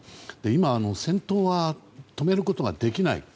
今、戦闘は止めることができない。